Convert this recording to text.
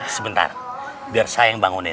sebentar biar saya yang bangunin